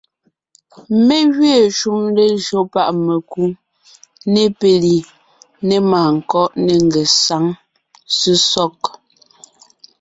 Mé gẅiin shúm lejÿo páʼ mekú , ne péli, ne màankɔ́ʼ, ne ngesáŋ, sesɔg;